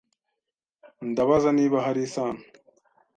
Ndabaza niba hari isano.